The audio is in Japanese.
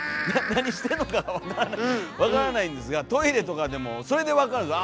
何してんのか分からないんですがトイレとかでもそれで分かるんです。